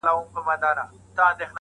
يو له بله بې ارتباطه نه دي